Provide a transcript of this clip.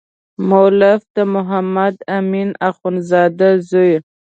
مؤلف د محمد امین اخندزاده زوی.